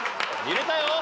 入れたよ！